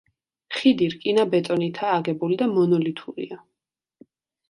ხიდი რკინა-ბეტონითაა აგებული და მონოლითურია.